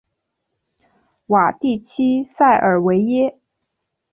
瓦地区塞尔维耶。